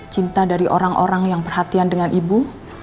cinta dari orang orang yang perhatian dengan ibu